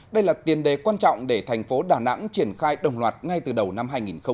đây là tiền đề quan trọng để thành phố đà nẵng triển khai đồng loạt ngay từ đầu năm hai nghìn hai mươi